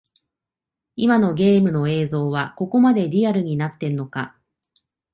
今のゲームの映像はここまでリアルになってんのか